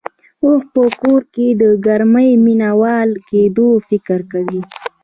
اوښ په کور کې د ګرمۍ مينه وال کېدو فکر کوي.